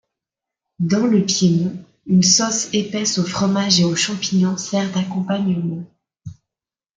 Dans le Piémont, une sauce épaisse au fromage et aux champignons sert d’accompagnement.